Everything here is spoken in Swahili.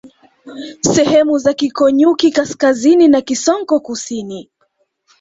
Sehemu za Keekonyukie kaskazini na Kisonko kusini